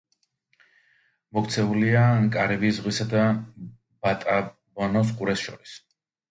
მოქცეულია კარიბის ზღვისა და ბატაბანოს ყურეს შორის.